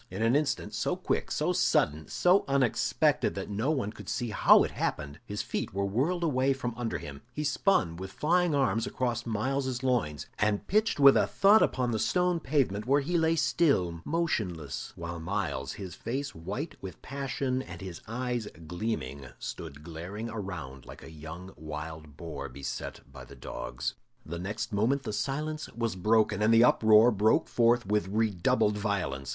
In an instant so quick, so sudden, so unexpected that no one could see how it happened his feet were whirled away from under him, he spun with flying arms across Myles's loins, and pitched with a thud upon the stone pavement, where he lay still, motionless, while Myles, his face white with passion and his eyes gleaming, stood glaring around like a young wild boar beset by the dogs. The next moment the silence was broken, and the uproar broke forth with redoubled violence.